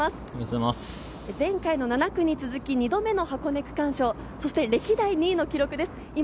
前回の７区に続き２度目の箱根区間賞、歴代２位の記録です。